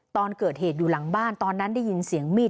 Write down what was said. ตอนเกิดเหตุอยู่หลังบ้านตอนนั้นได้ยินเสียงมีด